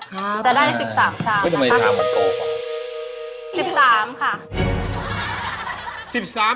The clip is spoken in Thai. จะได้๑๓ชามนะคะงั้นทำไมที่ตามันโกหก